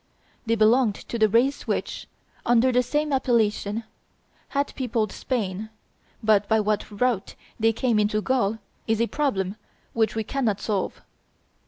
They belonged to the race which, under the same appellation, had peopled Spain; but by what route they came into Gaul is a problem which we cannot solve.